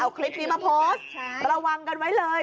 เอาคลิปนี้มาโพสต์ระวังกันไว้เลย